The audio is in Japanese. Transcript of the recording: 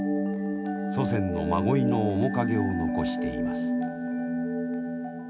祖先の真鯉の面影を残しています。